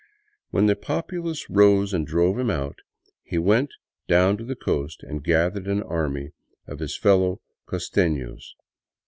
When the populace rose and drove him out, he went down to the coast and gathered an army of his itWovj costenos.